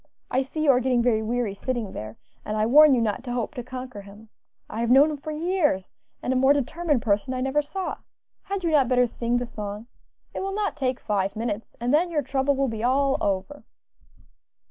I see you are getting very weary sitting there, and I warn you not to hope to conquer him. I have known him for years, and a more determined person I never saw. Had you not better sing the song? it will not take five minutes, and then your trouble will be all over."